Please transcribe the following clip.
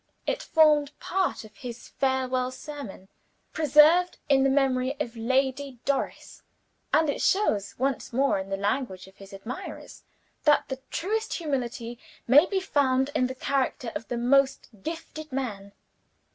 It formed part of his farewell sermon, preserved in the memory of Lady Doris and it shows (once more in the language of his admirers) that the truest humility may be found in the character of the most gifted man.